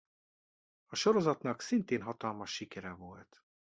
A sorozatnak szintén hatalmas sikere volt.